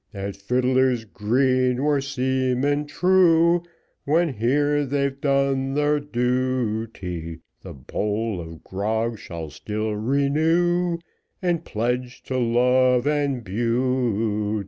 At Fidler's Green, where seamen true, When here they've done their duty, The bowl of grog shall still renew, And pledge to love and beauty.